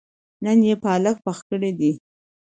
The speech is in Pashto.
نن يې پالک پخ کړي دي